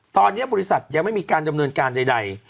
ตอนนี้บริษัทยังไม่มีการดำเนินการใด